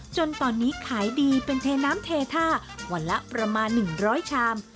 จนตอนนี้ขายดีเป็นเทน้ำเทท่าวันละประมาณ๑๐๐ชาม